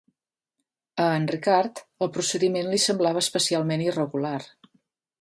A en Ricard el procediment li semblava especialment irregular.